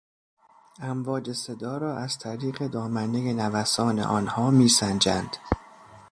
امواج صدا را از طریق دامنهی نوسان آنها میسنجند.